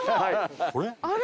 あれ？